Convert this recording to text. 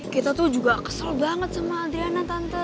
kita tuh juga kesel banget sama adriana tante